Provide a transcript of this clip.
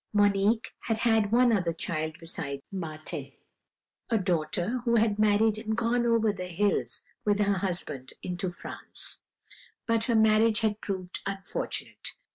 "Monique had had one other child besides Martin; a daughter, who had married and gone over the hills with her husband into France; but her marriage had proved unfortunate.